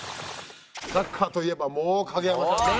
サッカーといえばもう影山さんね。